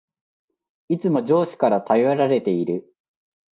いつも上司から頼られている